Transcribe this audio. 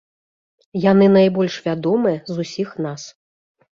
Яны найбольш вядомыя з усіх нас.